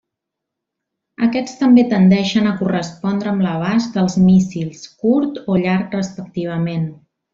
Aquests també tendeixen a correspondre amb l'abast dels míssils, curt o llarg respectivament.